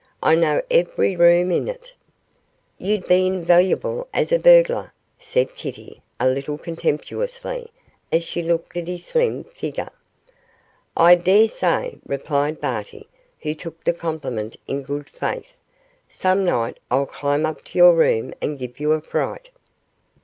'I know every room in it.' 'You'd be invaluable as a burglar,' said Kitty, a little contemptuously, as she looked at his slim figure. 'I dare say,' replied Barty, who took the compliment in good faith. 'Some night I'll climb up to your room and give you a fright.